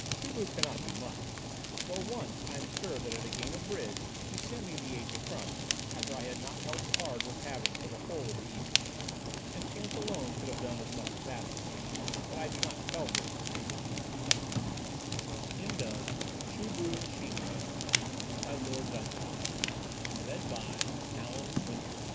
Chu bu cannot do much, though once I am sure that at a game of bridge he sent me the ace of trumps after I had not held a card worth having for the whole of the evening. And chance alone could have done as much as that for me. But I do not tell this to Chu bu. THE WONDERFUL WINDOW The old man in the Oriental looking robe wa